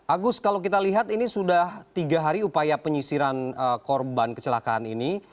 agus kalau kita lihat ini sudah tiga hari upaya penyisiran korban kecelakaan ini